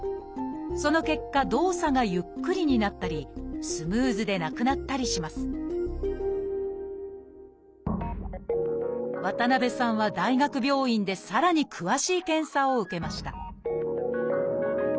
その結果動作がゆっくりになったりスムーズでなくなったりします渡辺さんは大学病院でさらに詳しい検査を受けました